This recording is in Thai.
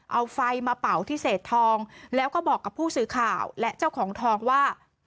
เอาไฟมาเป่าที่เศษทองแล้วก็บอกกับผู้สื่อข่าวและเจ้าของทองว่า